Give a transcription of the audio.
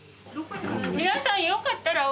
皆さんよかったらお茶。